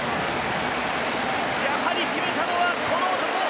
やはり決めたのはこの男！